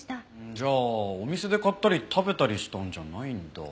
じゃあお店で買ったり食べたりしたんじゃないんだ。